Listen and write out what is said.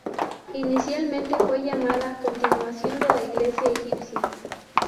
Inicialmente fue llamada "Constitución de la Iglesia egipcia".